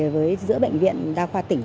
với giữa bệnh viện đa khoa tỉnh